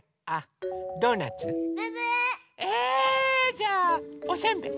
じゃあおせんべい！